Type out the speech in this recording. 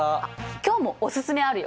今日もおすすめあるよ。